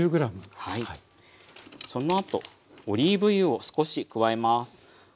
そのあとオリーブ油を少し加えます。